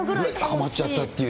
はまっちゃったっていう。